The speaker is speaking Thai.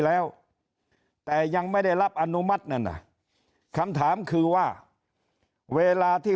แล้วแต่ยังไม่ได้รับอนุมัตินั่นน่ะคำถามคือว่าเวลาที่